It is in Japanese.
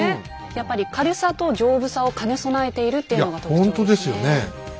やっぱり軽さと丈夫さを兼ね備えているっていうのが特徴ですね。